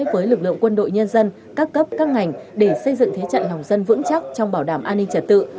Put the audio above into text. với lực lượng quân đội nhân dân các cấp các ngành để xây dựng thế trận lòng dân vững chắc trong bảo đảm an ninh trật tự